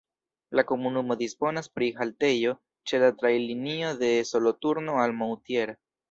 La komunumo disponas pri haltejo ĉe la trajnlinio de Soloturno al Moutier.